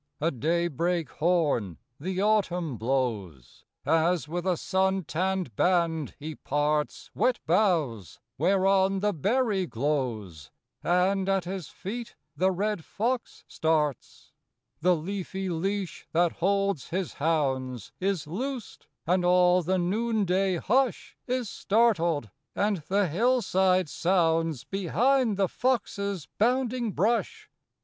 II. A daybreak horn the Autumn blows, As with a sun tanned band he parts Wet boughs whereon the berry glows; And at his feet the red fox starts. The leafy leash that holds his hounds Is loosed; and all the noonday hush Is startled; and the hillside sounds Behind the fox's bounding brush.